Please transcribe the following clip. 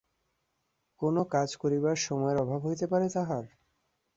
কোন কাজ করিবার সময়ের অভাব হইতে পারে তাহার?